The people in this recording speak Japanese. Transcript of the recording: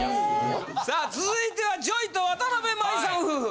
さあ続いてはＪＯＹとわたなべ麻衣さん夫婦。